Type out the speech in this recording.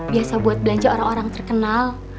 biasa buat belanja orang orang terkenal